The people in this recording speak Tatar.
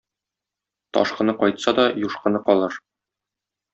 Ташкыны кайтса да, юшкыны калыр.